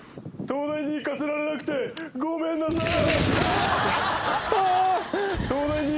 東大に行かせられなくてごめんなさい。